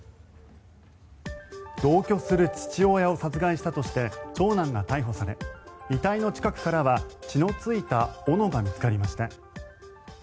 同居する父親を殺害したとして長男が逮捕され遺体の近くからは血のついた斧が見つかりました。